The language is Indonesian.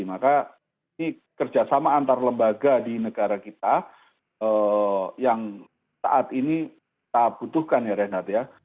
maka ini kerjasama antar lembaga di negara kita yang saat ini kita butuhkan ya renat ya